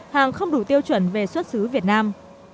hàng không đủ tiêu chuẩn về xuất xứ việt nam